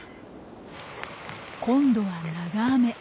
今度は長雨。